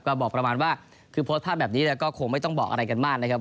ก็บอกประมาณว่าคือโพสต์ภาพแบบนี้แล้วก็คงไม่ต้องบอกอะไรกันมากนะครับ